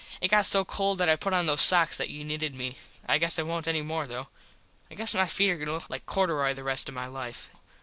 It got so cold that I put on those sox that you nitted me. I guess I wont any more though. I guess my feet are going to look like corderoy the rest of my life.